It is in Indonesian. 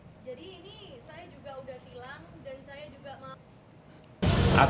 jadi ini saya juga udah hilang dan saya juga mau